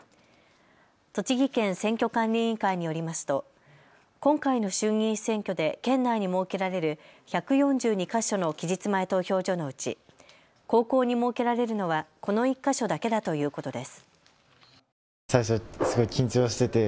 栃木県選挙管理委員会によりますと今回の衆議院選挙で県内に設けられる１４２か所の期日前投票所のうち高校に設けられるのはこの１か所だけだということです。